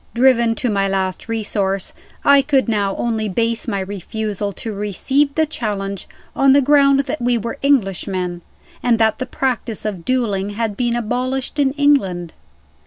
Driven to my last resource, I could now only base my refusal to receive the challenge on the ground that we were Englishmen, and that the practice of dueling had been abolished in England.